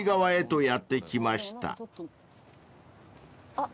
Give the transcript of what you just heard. あっ。